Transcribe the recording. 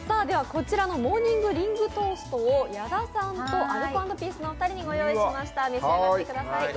こちらのモーニングリングトーストを矢田さんとアルコ＆ピースのお二人にご用意しました、召し上がってください。